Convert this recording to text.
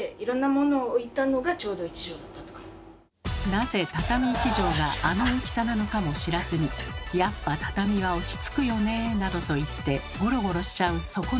なぜ畳１畳があの大きさなのかも知らずに「やっぱ畳は落ち着くよね」などと言ってゴロゴロしちゃうそこのあなた。